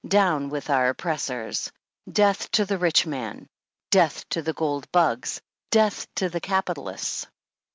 Down with our oppress ors ! Death to the rich man ! Death to the gold bugs ! Death to the capitalists